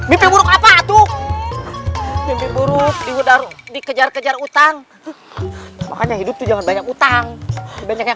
buruk buruk apa tuh buruk buruk kejar kejar utang makanya hidup jangan banyak utang banyak